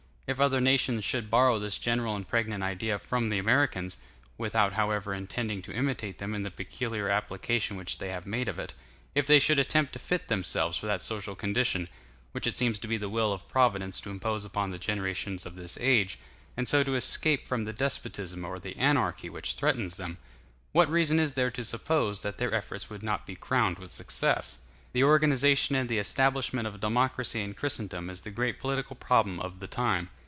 If other nations should borrow this general and pregnant idea from the Americans, without however intending to imitate them in the peculiar application which they have made of it; if they should attempt to fit themselves for that social condition, which it seems to be the will of Providence to impose upon the generations of this age, and so to escape from the despotism or the anarchy which threatens them; what reason is there to suppose that their efforts would not be crowned with success? The organization and the establishment of democracy in Christendom is the great political problem of the time.